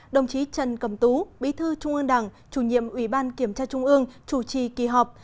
đồng chí trần cầm tú bí thư trung ương đảng chủ nhiệm ủy ban kiểm tra trung ương chủ trì kỳ họp